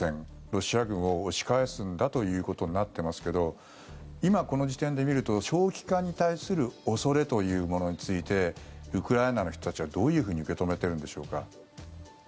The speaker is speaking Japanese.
ロシア軍を押し返すんだということになっていますけど今この時点で見ると長期化に対する恐れというものについてウクライナの人たちはどういうふうに受け止めてるんでしょうか？